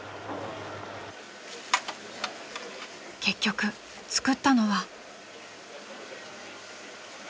［結局作ったのは］